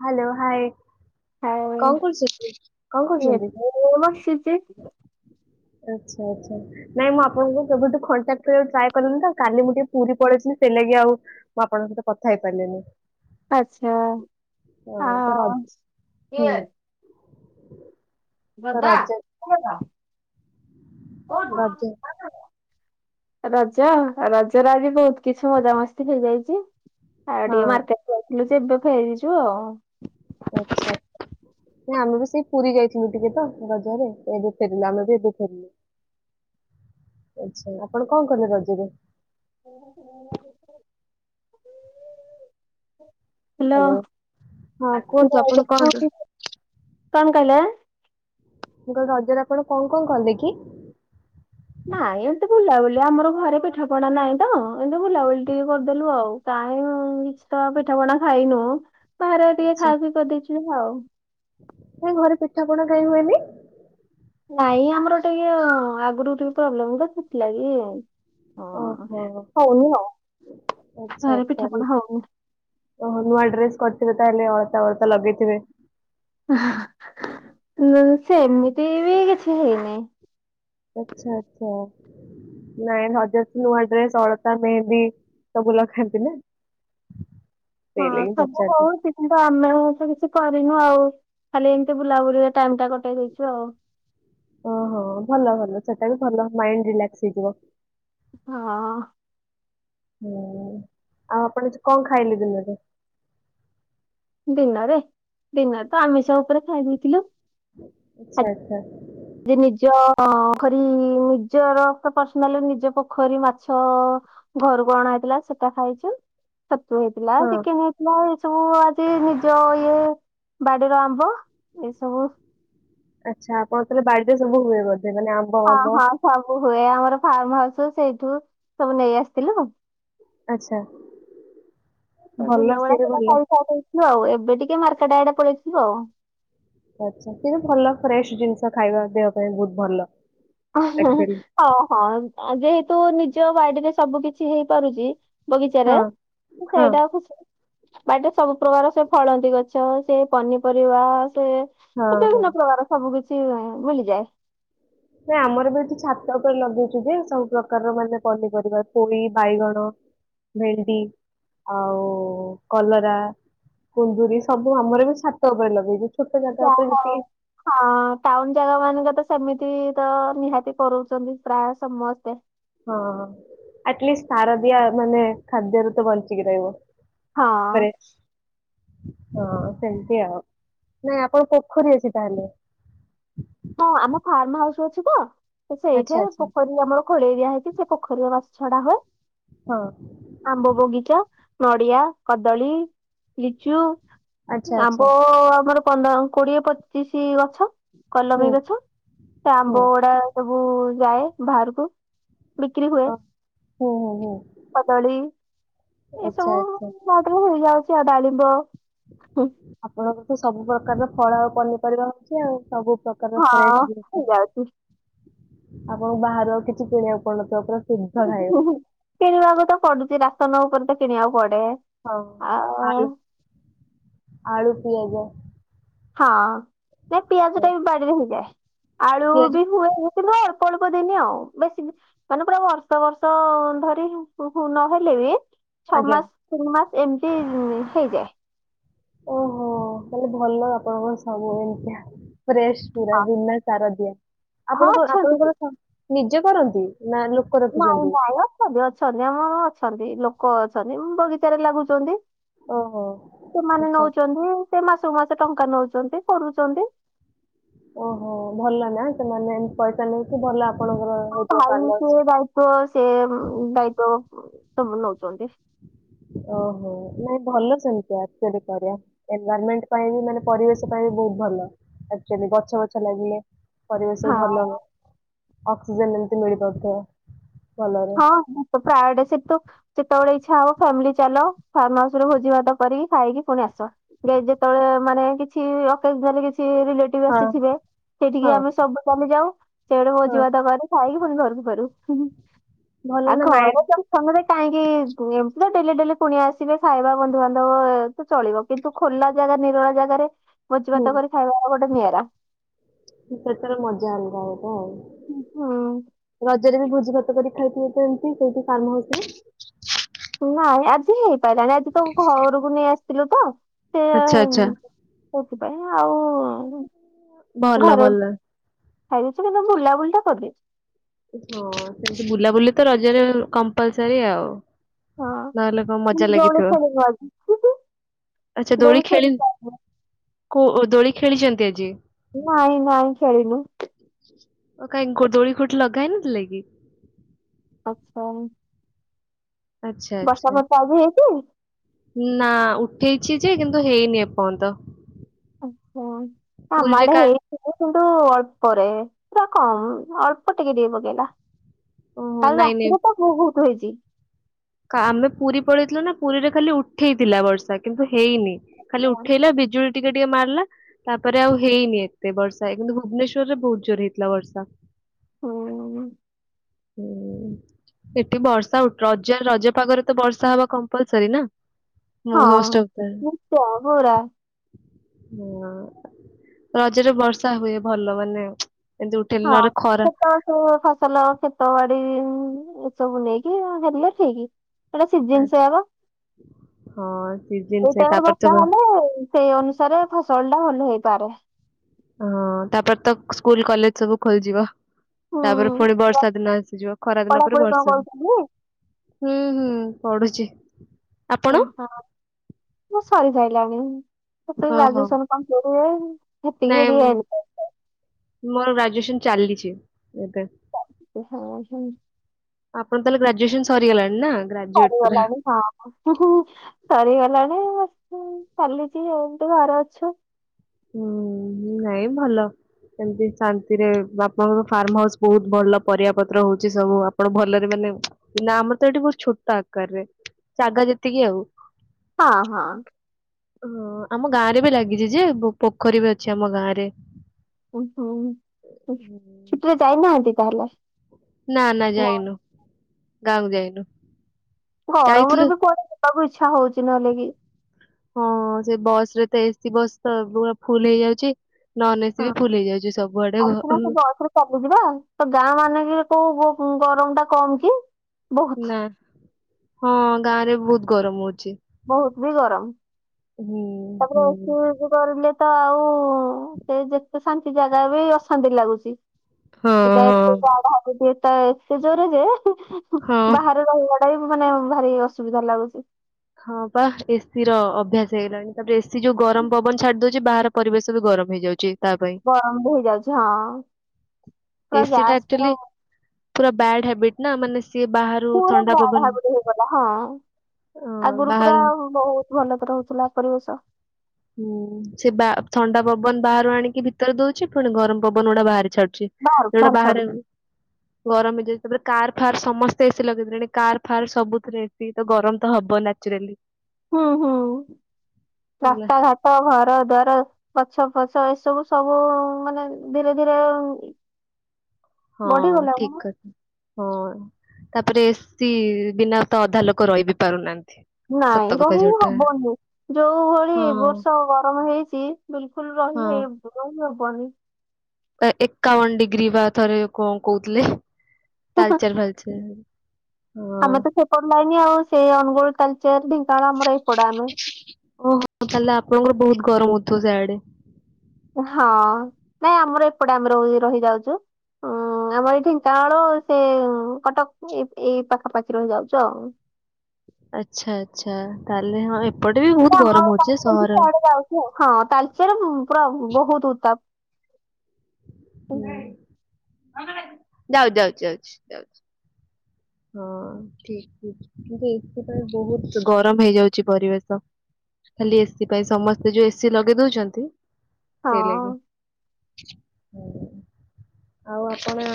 Hello hi. ଆଉ କଣ କରୁଛନ୍ତି? କଣ [inaudible] କରୁଛନ୍ତି? ଏବେ ବସିଛି। ଆଛା ଆ୍ଛା ନାଇଁ ମୁଁ ଆପଣଙ୍କ କେବେଠୁଣ୍ଟା ଟାଏ କରନ୍ତୁ ଆଉ କା ମୁ ଟିକେ ପୁରୀ ପଳେଇଥିଲି ସେ ଲଗି ଆଉ ମୁଁ ଆପଣଙ୍କ ସହିତ କଥା ହେଇପାରିଲିନି। ଆଚ୍ଛା ଆ ହଁ ତ ରଜ ହୁଁ ବରଦା [unintelligible] ରାଜ [inaudible] ରଜ ରଜ ରେ ଆଜି ବହୁତ କିଛି ମଜାମସ୍ତି ହେଇଯାଇଛି। ଆଉ ହଁ ଟିକେ ମାର୍କେଟଯାଇଥିଲୁ ଯେ ଏବେ ଫେରିଛୁ। ଯୁ [inaudible] ଆ୍ଛାଛା ନା ଆମେ ବି ସେଇ ପୁରୀ ଯାଇଥିଲୁ ଟିକେ ତ ରଜରେ ଏବେ ଫେରିଲୁ ଆମେ ବି ଏବେ ଫେରିଲୁ ଆ୍ଛା ଆପଣ କଣ କଲେ ରଜରେ? [unintelligible] ହ୍ୟାଲୋ ହଁ କୁହନ୍ତୁ ଆପଣ ହ୍ୟାଲୋ କୁହନ୍ତୁ କଣ କହିଲ? ମୁଁ କହିଲି ରଜରେ ଆପଣ କଣ କଣ କଲେ କି? ନାଇଁ ଏମିତି ବୁଲାବୁଲି ଆମର ଘରେ ପିଠା ପଣା ନାହିଁ ତ ଏମତି ବୁଲାବୁଲି ଟିକେ କରିଦେଲୁ ଆଉ କାହି କିଛି ତ ପିଠା ପଣା ଖାଇନୁ। ବାହାରେ ଟିକେ ଆଚ୍ଛା ଖାସ ବି କରିଦେଇଛୁ ଆଉ ନାଇଁ ଘରେ ପିଠା ପଣା କାଇଁ ହୁଏନି? ନାଇଁ ଆମର ଟିକେ ଆଗରୁ ଟିକେ ପ୍ରୋବ୍ଲେମ ଥିଲା କି ଓହୋ [inaudible] ଆଚ୍ଛା ଘରେ ତାହେଲେ ପିଠାପଣା ହଉନି ଓହୋ ନୂଆଡ୍ରେସ୍ କ ଥିବ ତାହେଲେ ଅଳତା ଅଳତା ଲଗେଇଥିବେ। ସେ ସେମିତି ବି କିଛି ହେଇନି ଆଛା ଆଛା ନାଇଁ ରଜରେ ତ ନୂଆ ଡ୍ରେସ ଅଳତା ମେହେନ୍ଦୀ ସବୁ ଲଗାନ୍ତି ନା। ହଁ ସେଇ ଲାଗି ସବୁ ପଚାରିଲି। ହଉଛି କିନ୍ତୁ ଆମେ ତ କିଛି କ ରିନୁ ଆଉ ଖାଲି ଏମିତି ବୁଲାବୁଲି ଟାଇମ ଟା କଟେଇ ଦେଇଛୁ ଆଉ। ଓହୋ ଭଲ ଭଲ ସେଟା ବି ଭଲ ମାଇଣ୍ଡ ରିଲାକ୍ସ ହେଇଯିବ। ହଁ। ହୁଁ ଆଉ ଆପଣ କଣ ଖାଇଲେ ଦିନରେ? ଦିନରେ ଦିନରେ ତ ଆମିଷ ଉପରେ ଖାଇ ଦେଇଥିଲୁ। ଆଛା ଆଚ୍ଛା। ଯେ ନିଜ ନିଜର ପର୍ସନାଲ ନିଜ ପୋଖରୀ ମାଛ ଘରକୁ ଅଣା ହେଇଥିଲା ସେଟା ଖାଇଛୁ। ଛତୁ ହେଇଥିଲା ହଁ ଚିକେନ ହେଇଥିଲା। ସବୁ ଆଜି ନିଜ ଇଏ ବାଡିର ଆମ୍ବ ଏସବୁ ଆ୍ଛା ଆପଣ କେବେ ବାଡ଼ି ଏ ସବୁ ହୁଏ ଗ ହଁ ହଁ ସବୁ ହୁଏ ଆମର ଫାର୍ମ ହାଉସ୍ ସେଇଠୁ ସବୁ ନେଇ ଆସିଥିଲୁ। ଆଚ୍ଛା। ସବୁ ଭଲ ସିଏ ନେଉଳ ବି ସେଟା ଭଲ ଖାଇକି ସାରିଦେଇଛି। ଆଉ ଏବେ ଟିକେ ମାର୍କେଟା ଆଡେ ପଳେଇଥିଲୁ ଆଉ ଆଛା ସେ ଭଲ ଫ୍ରେଶ୍ ଜିନିଷ ଖାଇବା ଦେହ ପାଇଁ ବହୁତ ଭଲ। ହଁ ଆକ୍ଚୁଆଲି ହଁ। ଯେହେତୁ ନିଜ ବାଡିରେ ସବୁ କିଛି ହେଇପାରୁଛି ବଗିଚାରେ ହଁ ହଁ ସେଇଟା ଖୁସି ବାଟରେ ସବୁ ପ୍ରକାର ସେ ଫଳନ୍ତି ଗଛ ସେ ପନିପରିବା ଟେ ହଁ ହଁ। ବିଭିନ୍ନ ପ୍ରକାର ସବୁ କିଛି ସେ ଭୁଲିଯାଏ। ନ ଆମର ବି ଏଠି ଛାତ ଉପରେ ଲଗେଇଛୁ ଯେ ସବୁ ପ୍ରକାରର ମାନେ ପନିପରିବା ପୋଇ ବାଇଗଣ ଭେଣ୍ଡି ଆଉ କଲରା କୁନ୍ଦୁରି ସବୁ ଆମର ବି ଛାତ ଉପରେ ଲଗେଇଛୁ। ଛୋଟ ଜାଗା ଯାହ ଉପରେ ଯେତିକି ହଁ ଟାଉନ ଜାଗା ମାନଙ୍କ ତ ସେ ସେମିତି ତ ନିହାତି କରୁଛନ୍ତି ପ୍ରାୟ ସମସ୍ତେ ହଁ ଆଟଲିଷ୍ଟ ସାରଦିଆ ମାନେ ଖାଦ୍ୟରୁ ତ ବଞ୍ଚିକି ରହିବ। ହଁ। ପରେ ହଁ ସେମିତି ଆଉ ନାଇଁ ଆପଣ ପୋଖରୀ ଅଛି ତାହେଲେ ହଁ ଆମ ଫାର୍ମ ହାଉସ ଅଛି ତ ଆଚ୍ଛା ସେଇଠେ ଆଚ୍ଛା ପୋଖରୀ ଆମର ଖୋଳେଇ ଦିଆ ହେଇଛି ସେ ପୋଖରୀଆ ବାସ ଛଡା ହୁଏ। ହଁ ଆମ୍ବ ବଗିଚା ନଡ଼ିଆ କଦଳୀ ଲିଚୁ ଆଚ୍ଛା ଆଚ୍ଛା ଆମ୍ବ ଆମର ପନ୍ଦର କୋଡିଏ ପଚିଶି ଗଛ ହୁଁ କଲମୀ ଗଛ ସେ ହୁଁ ଆମ୍ବ ଗୁଡା ସବୁ ଯାଏ ବାହାରକୁ ବିକ୍ରି ହୁଏ ଅ ହୁଁ ହୁଁ ହୁଁ କଦଳୀ ଆଚ୍ଛା ଏସବୁ ଆଚ୍ଛା ମୋର ହେଇଯାଉଛି ଏହା ଡାଳିମ୍ବ ହୁଁ, ଆପଣ ସବୁ ପ୍ରକାରର ଫଳ ଆଉ ପନିପରିବା ହଉଚି ଆଉ ସବୁ ସବ ପ୍ରକାର ହଁ ଫ୍ରେସ [unintelligible] ହେଇଯାଉଛି ଆପଣଙ୍କୁ ବାହାରର କିଛି କିଣିବାକୁ ପଡୁନଥିବ ପରା ହୁ ହୁ--କିଣିବାକୁ ତ ପଡୁଛି ରା ନ ଉ କରୁଛ କିଣିଆଉ ବଡେ ହଁ, ଆଉ ଆଳୁ ଆଳୁ, ପିଆଜ। ହଁ। ନାଇ ଏ, ପିଆଜ ଟା ବି ବାଡିରେ ହେଇଯାଏ। ଆଳୁ ପିଆଜ ବି ହୁଏ। କିନ୍ତୁ ଏ ଅଳ୍ପ ଅଳ୍ପ ଦିନି ଆଉ ବେଶୀ, ମାନେ ପୁରା ବର୍ଷ ବର୍ଷ ଧରି ନହେଲେ ବି ଛଅ ଆଜ୍ଞା। ମାସ ତିନି ମାସ ଏମିତି ହୁଁ ହେଇଯାଏ। ଓହୋ, ତାଲେ ଭଲ ଆପଣଙ୍କର ସବୁ ଏମିତିଆ। ଫ୍ରେଶ ପୁରା ବିନା ସାର ଦିଆ। ହଁ ଆପଣଙ୍କ ଅଛନ୍ତି ଆପଣଙ୍କର ନିଜେ କରନ୍ତି। ନା ଲୋକ ନାଇଁ ରଖିଛନ୍ତି? ନାଇଁ ଅଛନ୍ତି ଅଛନ୍ତି। ଆମର ଅ ଅଛନ୍ତି ଲୋକ ଅଛନ୍ତି, ବଗିଚାରେରେ ଲାଗୁଚନ୍ତି। ଓହୋ। ସେମାନେ ଆଚ୍ଛା। ନଉଚନ୍ତି। ସେ ମାସକୁ ମାସ ଟଙ୍କା ନଉଚନ୍ତି, କରୁଚନ୍ତି। ଓହୋ, ଭଲ ନା ସେମାନେ ଏମ ପଇସା ନେଉକି ଭଲ ଆ ଭାଇ ସେ ଦାୟିତ୍ବ ସେ ଉଁ ଦାୟିତ୍ୱ ତମେ ନଉଚନ୍ତି। ଓହୋ, ନାଇଁ ଭଲ ସେମିତିଆ ଏକଚୁଆଳିକା ରେ ଏନଭରମେଣ୍ଟ ପାଇଁ ବି ମାନେ ପରିବେଶ ପାଇଁ ବି ବହୁତ ଭଲ ଏକଚୁଆଲି ଗଛ ବଛ ଲାଗିଲେ ପରିବେଶକୁୁ ହଁ। ଭଲ ହୁଏ। ଅକ୍ସିଜେନ ମିଳେ। ଶିମିଳି ଗଛରେ ହଁ ପ୍ରାୟଟସେତ ସେତେବେଳେ ଇଚ୍ଛା ହବ ଫ୍ୟାମିଲି ଚାଲ। ଫାର୍ମ ହାଉସରୁ ଭୋଜି ଭାତ କରିକି ଖାଇକି ପୁଣି ଆସ। [unintelligible] ଳେ ମାନେ କିଛି [unintelligible] ସେ ରିଲେଟିଭ ହଁ ଆସିଥିବେ, ସେଠିକି ହଁ ଆମେ ସବୁ ଚାଲି ଯାଉ। ସେଡେ ମୋ ହଁ [unintelligible] ଖାଇକି ପୁଣି ଘରକୁ ଫେରୁ। ହଁ। ଭଲ ଆଉ ନା ଘରେ ମାଇଣ୍ଡ ସବୁ ସାଙ୍ଗରେ କାଇଁକି ତ ଡେଲି ଡେଲି ପୁଣି ଆସିବେ। ଖାଇବା ବନ୍ଧୁବାନ୍ଧବ ତ ଚଳିବ କିନ୍ତୁ ଖୋଲା ଜାଗା ନିରଳ ଜାଗାରେ ଭୋଜିଭାତ କରି ଖାଇବା ଗୋଟେ ନିଆର୍ [inaudible] [unintelligible] ପ୍ରକାରର ମଜା ଅଲଗା [inaudible] ହୁଁ। ଆଉ ରଜରେ ବି ଭୋଜି ଭାତ କରି ଖାଇଥିବ ତ ଏମିତି ସେଇଠି କାମ ହଉଛି ‌ନା। ନାଇଁ ଆଜି ହେ [unintelligible] ଆଜି ତମକୁ ଘରକୁ ନେଇ ଆସ୍ ଥିଲୁ ତ। ଆଚ୍ଛା ଆଚ୍ଛା [unintelligible] କୋଉଥିପାଇଁ ଆଉ ଭଲ ଘରେ ଭଲ। ଖାଇଦେଇଛି କିନ୍ତୁ ବୁଲାବୁଲି ତ କରିଦେଇଛି। ହଁ ସେମିତି ବୁଲାବୁଲି ତ ରଜରେ କମ୍ପଲସରୀ ଆଉ ହଁ। ନହେଲେ କଣ ମଜା ମାନେ ଦୋଳି ଲାଗିଥିବ, ଖେଳିନୁ ଆଜି? ଆଛା ଦୋଳି ଖେଳି [inaudible] କୋଉ ଦୋଳି? ଖେଳିଛନ୍ତି ଆଜି? ନାଇଁ ନାଇଁ ଖେଳିନୁ। ଓ କାଇଁ ଦୋଳି [inaudible] ଲଗା ହେଇନଥିଲା କି? ଆଛା ଆଚ୍ଛା ଆଚ୍ଛା ହେଇଛି? ନାଁ ଉ ହେଇଛି ଯେ କିନ୍ତୁ ହେଇନି ଏପର୍ଯ୍ୟନ୍ତ। ଆଛା ଆମ ପୁରୀରେ ଆଡେ କା ହେଇ [unintelligible] କିନ୍ତୁ ଅଳ୍ପରେ ପୁରା କମ୍ ଅଳ୍ପ ଟିକେ ଟିକେ ପକେଇଲା। ଓହୋ କାଲି ନାଇଁ ନାଇଁ ରାତିରେ ତ ବହୁତ୍ ହେଇଛି। କା ଆମେ ପୁରୀ ପଳେଇଥିଲୁ ନା ପୁରୀରେ ଖାଲି ଉଠେଇଥିଲା ବର୍ଷା କିନ୍ତୁ ହେଇନି। ଖାଲି ଉଠେଇଲା ବିଜୁଳି ଟିକେ ଟିକେ ମାରିଲା ତାପରେ ଆଉ ହେଇନି ଏତେ ବର୍ଷା କିନ୍ତୁ ଭୁବନେଶ୍ୱରରେ ବହୁତ ଜୋର ହେଇଥିଲା ବର୍ଷା। ହୁଁ ଉଁ ଉଁ ହୁଁଉଁଉଁ ଏଠି ବର୍ଷା ଉଠଦ୍ [inaudible] ରଜପାଗରେ ତ ବର୍ଷା ହବା କମ୍ପଲସରି ନା ହଁ ମୋଷ୍ଟ ଅଫ୍ ଦ [unintelligible] ହଁଅଅ ରଜରେ ବର୍ଷା ହୁଏ ଭଲ ମାନେ ଚୁ। ହଁ କ୍ଷେତ ସବୁ ଫସଲ କ୍ଷେତବାଡି ଉଁ ଉଁ ଉଁ ସବୁ ନେଇକି ହେଲେ ଠିକ୍। ଏଇଟା ସିଜିନ୍ ସେଇଆ ପା, ହଁ ସିଜିନ ଏଇ ସେ ଟାଇମରେ ତାପରେ ତ ବର୍ଷା ହଁ ହେଲେ ସେଇ ଅନୁସାରେ ଫସଲଟା ଭଲ ହୁଏ। ପାରେ। ହଁଅଅ ତାପରେ ତ ସ୍କୁଲ କଲେଜ ସବୁ ଖୋଲିଯିବ। ତାପରେ ପୁଣି ହୁଁ। ବର୍ଷା ଦିନ ଆସିଯିବ ଖରା ଦିନ ପରେ ପଢାପଢି କଣ ବର୍ଷା କରୁଛନ୍ତି? ଦିନ ହୁଁ ହୁଁ। ପଢୁଛି। ଆପଣ ହଁ ହଁ ବହୁ ସରି ଖାଇଲାଣି। [inaudible] ସେ ଓହୋ ଗ୍ରାଜୁଏସନ କମ୍ପଲିଟ ହୁଏ ନାଇଁ ହେପିକିି ମୋର ଚାଲିଛି। ଏବେ। ହଁ ହଁ। ଆପଣ ତାହେଲେ ଗ୍ରାଜୁଏସନ ସରିଗଲାଣି ନା। ଗ୍ରାଜୁଏଟ ପୁରା ସରିଗଲାନି ହଁ ହଁ। ସରିଗଲାଣି ଚାଲିଛି ଏମିତି ଘରେ ଅଛୁ। ହୁଁ ନାଇଁ ଭଲ ଏମିତି ଶାନ୍ତିରେ ଆପଣଙ୍କ ଫାର୍ମ ହାଉସ ବହୁତ ଭଲ ପରିବା ପତ୍ର ହଉଛି ସବୁ ଆପଣ ଭଲରେ ମାନେ ନା ଆମର ତ ଏଠି ବହୁ ଛୋଟ ଆକାରରେ ଜାଗା ଯେତିକି ଆଉ। ହଁ ହଁ। ହଁ ଆମ ଗାଁ ରେ ବି ଲାଗିଛି ଯେ ପୋଖରୀ ବି ଅଛି ଆମ ଗାଁ ରେ। ହୁଁ ଚିତ୍ର ଯାଇନାନ୍ତି। କିଲ ନା ନା ଯାଇନୁ। ଗାଁ କୁ ଯାଇନୁ। ଗରମରେ ଯାଇଥିଲୁ ବି କୁଆଡେ ଯାଇ ସବ ଇ୍ଛା ହଉଛି। ନହେଲେ କି ହଁ ସେ ବସ ରେ ତେ ଏସିୀ ବସ୍ ତ ପୁରା ଫୁଲ ହେଇଯାଉଛି। ନନ ଏସି ହଁ ବି ଫୁଲ ହେଇଯାଉଛି ସବୁଆଡେ ଆମେ ସନା ସେ ବସରେ ଚାଲିଯିବା ତ ଗାଁ ମାନେ କି କୋଉୋ ଗରମ ଟା କମ୍ କି ବହୁତ। ନା ହଁ ଗାଁରେ ବହୁତ ଗରମ ହଉଛି। ବହୁତ ବି ଗରମ। ହୁଁ ତାପରେ ହୁଁ ଏ କରିଲେ ତ ଆଉ ହଁ ସେ ଯେ ଶାନ୍ତି ଜାଗା ବି ଅଶାନ୍ତି ଲାଗୁଛି, ହଁ ଏଇଟା ହଁ। ଏତେ ଗାଢା ଅଛି ଯେ, ତା ଏତେ ଜୋରେ ଯେ, ହଁ ବାହାରେ ରହିବା ମାନେ ଭାରି ଅସୁବିଧା ଲାଗୁଛି। ହଁ ବା ଏସି ର ଅଭ୍ୟାସ ହେଇଗଲାଣି ତାପରେ ଏ ସି ଯେଉ ଗରମ ପବନ ଛାଡ ଡ ବାହାର ପରିବେଶ ବି ଗରମ ହେଇଯାଉଛି। ତା ପାଇଁ ଗରମ ବି ହେଇଯାଉଛି ହଁ ପୁରା ଏସି ଟା ଗ୍ୟାସ ପୁର ଆକ୍ଚୁଆଲି ପୁରା ବ୍ୟାଡ ହବିଟନା ମାନେ ସିଏ ବାହାରୁ ପୁରା ଥଣ୍ଡା ବାହାର ପବନ ପଟେ ହେଇଗଲା ହଁ ଅ ଆଗରୁ ପୁରା ବାହାର ବହୁତ ଭଲ ପୁ ଖୋଲା ପରିବେଶ ହୁଁ ସେ ବା ଥଣ୍ଡା ପବନ ବାହାରୁ ଆଣିକି ଭିତରେ ଦଉଛି ପୁଣି ଗରମ ପବନ ଗୁଡା ବାହାରି ଛାଡୁଛି ବାହାରକୁ ଯୋଉଟା ବାହାର ଛାଡୁ ବାହାରେ ଗରମ ଯ କାର ଫାର୍ ସମସ୍ତେ ଏସି ଲଗେଇଲେଣି କାର ଫାର୍ ସବୁଥିରେ ଏସିି ତ ଗରମ ତ ହବ ନାଚ୍ୟୁରାଲି ହୁଁ ହୁଁ ହେଲା ରାସ୍ତା ଘାଟ ଘର ଦ୍ୱାର ଗଛ ପଛ ଏସବୁ ସବୁ ମାନେ ଧୀରେ ଧୀରେ ହଁ ବଢିଗଲାଣି ଠିକ କଥା ହଁ ତାପରେ ଏସି ବିନା ତ ଅଧା ଲୋକ ରହି ବି ପାରୁନାହାନ୍ତି । ନାଇଁ ରହି ହବନି ଯୋଉ ଭଳି ହଁ ଏ ବର୍ଷ ଗରମ ହେଇଛି ବିଲକୁଲ ରହି ହଁ। ହେନି । ହବନି, ଏକାବନ ଡିଗ୍ରୀ ବା ଥରେ କଣ କହୁଥିଲ । ତାଲଚାର ଫାଳଚେର ଆମେ ତ ସେପଟ ଲାଇନ ଆଉ ସେଇ ଅନୁଗୁଳ, ତାଲଚେର ଢେଙ୍କାନାଳ ଆମର ଏପଟ ଆମେ ଓହୋ ତାହଲେ ଆପଣଙ୍କର ବହୁତ ଗରମ ଥିବ ସିଆଡେ ହଁ ନାଇଁ ଆମର ଏପଟେ ଆମର ରହିଯାଉଛୁ ଉ ଆମର ଏଇ ଢେଙ୍କାନାଳ ସେ କଟକ ଏ ଏଇ ପାଖାପାଖି ରହିଯାଉଛୁ ଆଉ । ଆଚ୍ଛା ଆଛା ତାହେଲେ ହଁ ଏପଟେ ବି ବହୁତ ନାଆ ଗରମ ହଉଛି ଯେ ଆମେ ସହର କୁଆଡେ ଯାଉଚୁ ହଁ ତାଳଚେର ହଁ ବହୁତ ଉତାପ । ହୁଁ, ଯାଉ ଯାଉ ଯାଉଛି ଯାଉଚି ହଁ ଠିକ କିନ୍ତୁ ଏସି ପାଇଁ ବହୁତ ଗରମ ହେଇଯାଉଛି ପରିବେଶ ଖାଲି ଏସି ପାଇଁ ସମସ୍ତେ ଯୋଉ ଏସି ଲଗେଇ ଦଉଛନ୍ତି । ସେଇ ଲାଗି ହଁ ଆଉ ଆପଣ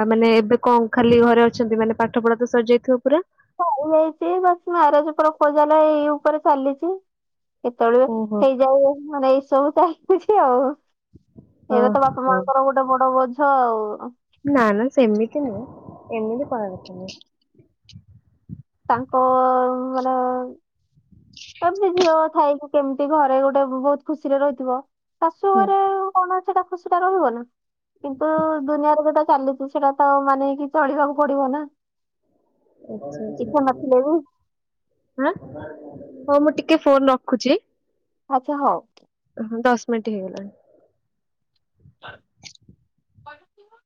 ଆ ମାନେ ଏବେ କଣ ଖାଲି ଘରେ ଅ ଅଛନ୍ତି ମାନେ ପାଠ ପଢା ତ ସରିଯାଇଥିବ ପୁରା ଚାଯାଇଛି ବସ ମ୍ୟାରେଜ ପ୍ରପୋଜାଲ ଏଇ ଉପରେ ଚାଲିଛି। କେତେବେଳେ ଓହୋ ହେଇଯାଉ ମାନେ ସବୁ ଚାଇଛି ଆଉ। ହଁ ଏବେ ତ ବାପା ହଁ ମାଆଙ୍କର ଗୋଟେ ବଡ ବୋଜ ହ। ନା, ନା, ସେମିତି ନାହି। ଏମିତି କହିବା କଥା ନୁହେ। ତାଙ୍କ ମାନେ କେମିତି ଝିଅ ଥାଇକି କେମିତି ଘରେ ଗୋଟେ ବହୁତ ଖୁସିରେ ରହିଥିବ। ଶାଶୁ ହୁଁ ଘରେ କଣ ଅଛି ତା ସେଟା ରହିବ ନା କିନ୍ତୁ ଦୁନିଆରେ ଯୋଟା ଚାଲିଚି ସେଟା ତ ମାନେ କି ଚଳିବାକୁ ପଡିବ ନା। ଆଛା, ଆଛା, ଇଚ୍ଛା ନଥିଲେ ବି ଆଁ ହଁ ମୁଁ ଟିକେ ଫୋନ ରଖୁଚି। ଆଛା ହଉ। ହ ଦଶ ମିନିଟ ହେଇଗଲାଣି। [inaudible]